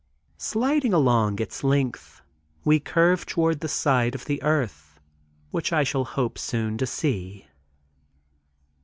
Sliding along its length we curve toward the side of the earth which I shall hope soon to see.